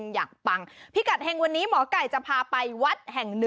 อยากเฒ็งวันนี้หมอไก่จะพาไปวัดแห่ง๑